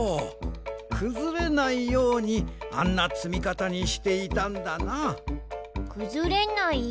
くずれないようにあんなつみかたにしていたんだな。